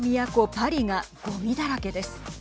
パリがごみだらけです。